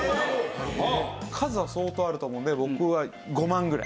数は相当あると思うんで僕は５万ぐらい。